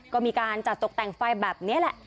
ก็มีการจัดตกแต่งไฟแบบนี้แหละ